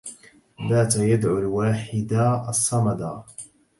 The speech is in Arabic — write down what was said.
بات يدعو الواحدا الصمدا